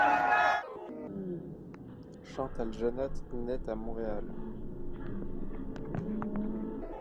Chantale Jeannotte naît à Montréal.